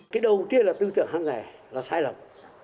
cái đầu tiên là tư tưởng hàng ngày là sai lầm